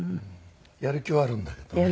やる気はあるんだけどね。